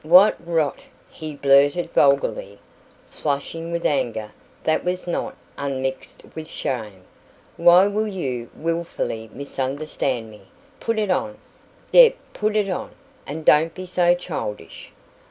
"What rot!" he blurted vulgarly, flushing with anger that was not unmixed with shame. "Why will you wilfully misunderstand me? Put it on, Deb put it on, and don't be so childish."